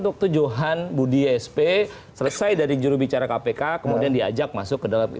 waktu johan budi sp selesai dari jurubicara kpk kemudian diajak masuk ke dalam